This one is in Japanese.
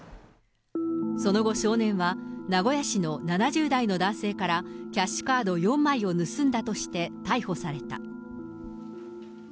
その後、少年は名古屋市の７０代の男性からキャッシュカード４枚を盗んだとして、逮捕された。